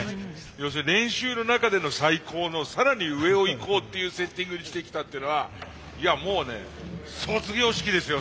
要するに練習の中での最高の更に上をいこうっていうセッティングにしてきたっていうのはいやもうね卒業式ですよ